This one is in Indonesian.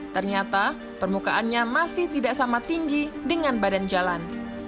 ternyata permukaannya masih tidak sama tinggi dengan badan jalan